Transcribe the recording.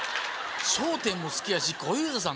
『笑点』も好きやし小遊三さん